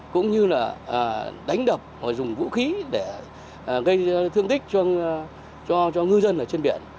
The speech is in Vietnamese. cũng như là đánh đập và dùng vũ khí để gây thương tích cho ngư dân trên biển